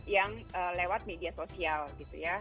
yang lewat media sosial gitu ya